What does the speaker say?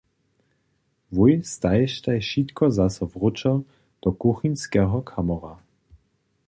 Wój stajištaj wšitko zaso wróćo do kuchinskeho kamora.